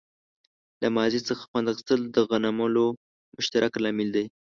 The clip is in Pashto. له ماضي څخه خوند اخیستل د غنملو مشترک لامل دی.